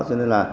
cho nên là